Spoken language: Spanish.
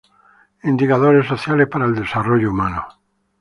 Indicadores sociales para el desarrollo humano.